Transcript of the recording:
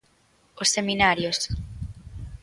Os seminarios.